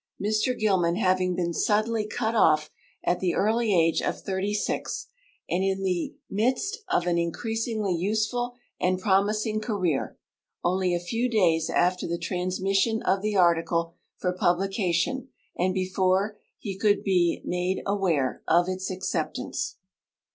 Mr Gilman having been suddenly cut off, at the early age of thirty six and in the midst of an increasingly useful and promising career, only a few days after the trans mission of the article for publication and before he could be made aware of its ac ceptance.